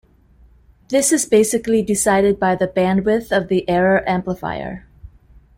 This is basically decided by the bandwidth of the error amplifier.